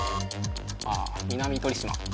ああ南鳥島。